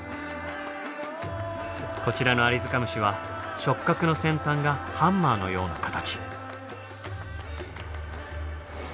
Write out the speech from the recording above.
こちらのアリヅカムシは触角の先端がハンマーのような形。